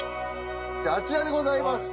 あちらでございます。